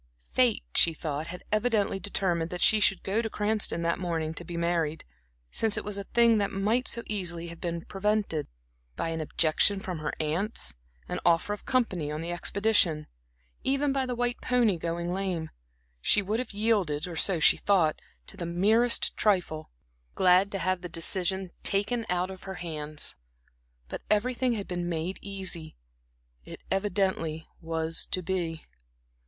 Fate, she thought, had evidently determined that she should go to Cranston that morning to be married, since it was a thing that might so easily have been prevented by an objection from her aunts, an offer of company on the expedition, even by the white pony going lame; she would have yielded, or so she thought, to the merest trifle, glad to have the decision taken out of her hands. But everything had been made easy; it evidently was to be.